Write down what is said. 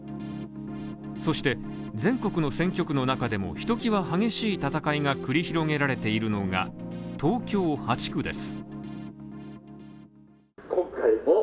そして、全国の選挙区の中でもひときわ激しい戦いが繰り広げられているのが東京８区です。